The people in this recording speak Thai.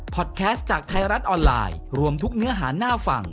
พอดแคสต์จากไทยรัฐออนไลน์รวมทุกเนื้อหาน่าฟัง